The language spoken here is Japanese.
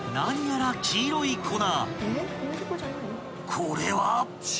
［これは？］